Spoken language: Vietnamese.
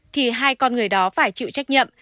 thì hai con người đó phải chịu trách nhiệm